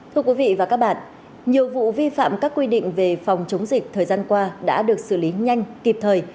thưa quý vị và các bạn nhiều vụ vi phạm các quy định về phòng chống dịch thời gian qua đã được xử lý nhanh kịp thời